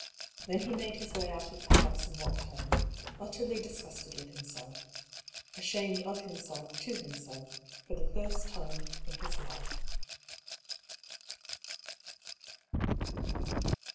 Then he made his way out of the house and walked home, utterly dis gusted with himself — ^ashamed of himself to himself for the first time in his life.